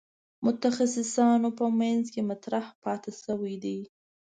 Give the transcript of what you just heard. د متخصصانو په منځ کې مطرح پاتې شوې ده.